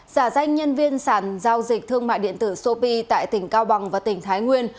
giả danh nhân viên sản giao dịch thương mại điện tử sopi tại tỉnh cao bằng và tỉnh thái nguyên